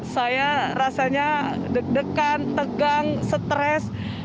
saya rasanya deg degan tegang stres